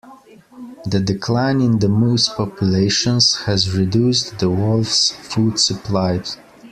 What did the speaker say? The decline in the moose populations has reduced the wolf's food supply.